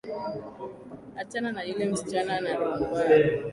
Achana na yule msichana ana roho mbaya.